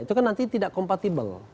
itu nanti tidak kompatibel